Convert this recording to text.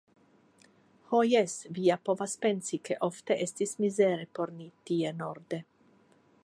Ho jes, vi ja povas pensi, ke ofte estis mizere por ni tie norde.